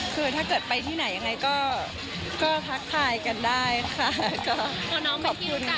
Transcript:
คือถ้าเกิดไปที่ไหนยังไงก็พักภายกันได้ค่ะ